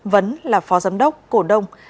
vấn là phó giám đốc cổ đông